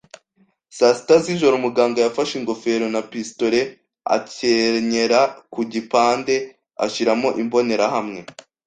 saa sita zijoro, umuganga yafashe ingofero na pistolet, akenyera ku gipande, ashyiramo imbonerahamwe